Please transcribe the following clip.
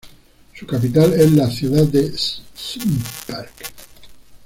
Su capital es la ciudad de Šumperk.